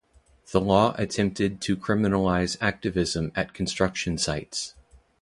The Law attempted to criminalize activism at construction sites.